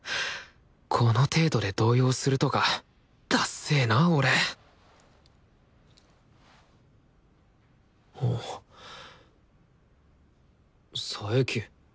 この程度で動揺するとかだっせえな俺佐伯。